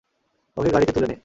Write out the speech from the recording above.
ওকে গাড়িতে তুলে নে।